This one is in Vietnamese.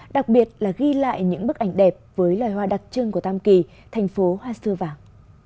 đặc biệt là ghi lại những bức ảnh đẹp với loài hoa đặc trưng của tam kỳ thành phố hoa xưa vàng